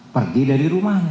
pergi dari rumahnya